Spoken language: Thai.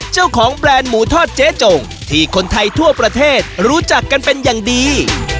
แบรนด์หมูทอดเจ๊จงที่คนไทยทั่วประเทศรู้จักกันเป็นอย่างดี